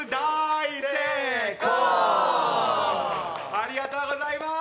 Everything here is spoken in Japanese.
ありがとうございます。